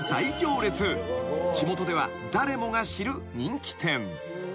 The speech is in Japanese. ［地元では誰もが知る人気店］